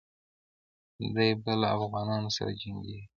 دی به له افغانانو سره جنګیږي.